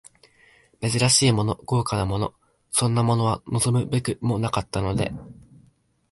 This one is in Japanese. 珍しいもの、豪華なもの、そんなものは望むべくもなかったので、